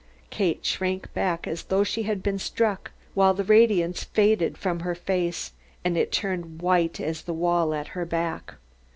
Kate shrank back as though she had been struck; while the radiance faded from her face, and it turned as white as the wall at her back.